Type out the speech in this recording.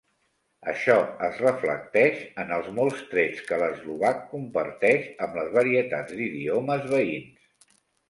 Això es reflecteix en els molts trets que l'eslovac comparteix amb les varietats d'idiomes veïns.